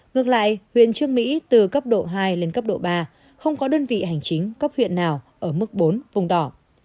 ngược lại huyện trương mỹ từ cấp độ hai lên cấp độ ba không có đơn vị hành chính cấp huyện nào ở mức bốn vùng đỏ